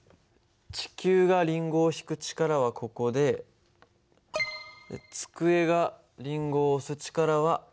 地球がリンゴを引く力はここで机がリンゴを押す力はここかな。